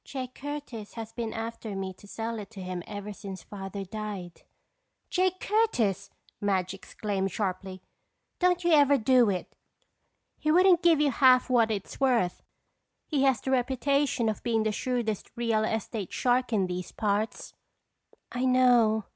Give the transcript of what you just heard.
Jake Curtis has been after me to sell it to him ever since Father died." "Jake Curtis!" Madge exclaimed sharply. "Don't you ever do it. He wouldn't give you half what it's worth. He has the reputation of being the shrewdest real estate shark in these parts." "I know.